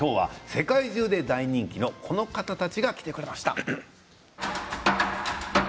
世界中で大人気のこの方たちが来てくれました。